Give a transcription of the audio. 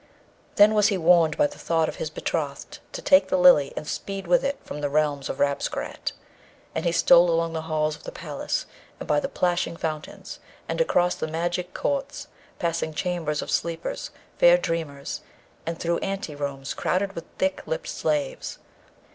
Then was he warned by the thought of his betrothed to take the Lily and speed with it from the realms of Rabesqurat; and he stole along the halls of the palace, and by the plashing fountains, and across the magic courts, passing chambers of sleepers, fair dreamers, and through ante rooms crowded with thick lipped slaves.